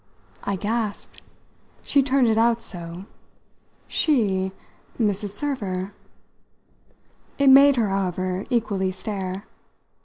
I gasped she turned it out so. "She Mrs. Server?" It made her, however, equally stare.